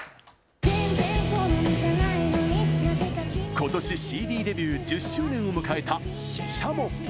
今年ＣＤデビュー１０周年を迎えたＳＨＩＳＨＡＭＯ。